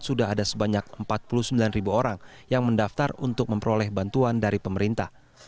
sudah ada sebanyak empat puluh sembilan ribu orang yang mendaftar untuk memperoleh bantuan dari pemerintah